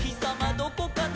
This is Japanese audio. どこかな？」